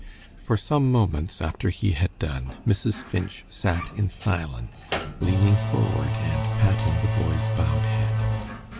For some moments after he had done Mrs. Finch sat in silence, leaning forward and patting the boy's bowed head.